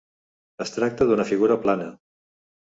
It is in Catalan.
Es tracta d'una figura plana.